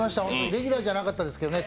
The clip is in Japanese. レギュラーじゃなかったですけどね。